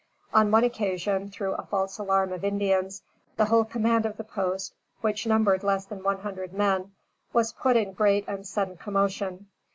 On one occasion, through a false alarm of Indians, the whole command of the post, which numbered less than one hundred men, was put in great and sudden commotion.